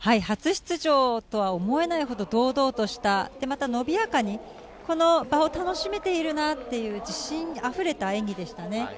初出場とは思えないほど堂々とした、またのびやかに、この場を楽しめているなっていう自信あふれた演技でしたね。